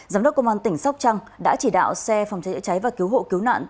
giám đốc công an tỉnh sóc trăng đã chỉ đạo xe phòng cháy chữa cháy và cứu hộ cứu nạn